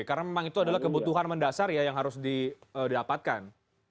karena memang itu adalah kebutuhan mendasar ya yang harus didapatkan